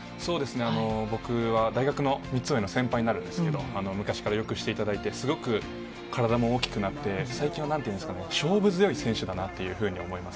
僕は大学の３つ上の先輩になるんですけど、昔からよくしていただいて、すごく体も大きくなって、最近はなんていうんですかね、勝負強い選手だなっていうふうに思います。